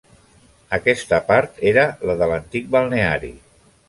Aquesta part era la de l'antic balneari.